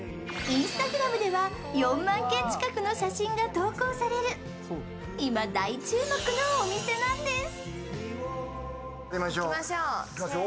Ｉｎｓｔａｇｒａｍでは４万件近くの写真が投稿される今、大注目のお店なんです。